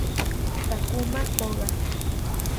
Takuma Koga